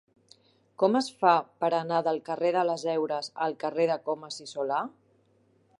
Com es fa per anar del carrer de les Heures al carrer de Comas i Solà?